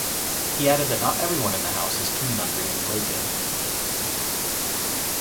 He added that not everyone in the house is keen on bringing Blake in.